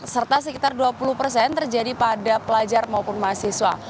serta sekitar dua puluh persen terjadi pada pelajar maupun mahasiswa